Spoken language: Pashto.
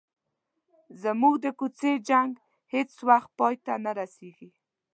زموږ د کوڅې جنګ هیڅ وخت پای ته نه رسيږي.